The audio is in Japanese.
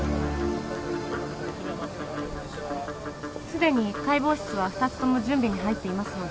すでに解剖室は２つとも準備に入っていますのでいつでも大丈夫です。